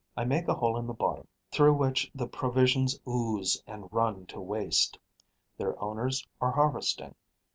I make a hole in the bottom, through which the provisions ooze and run to waste. Their owners are harvesting.